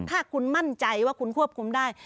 ถ้าคุณมั่นใจว่าคุณควบคุมได้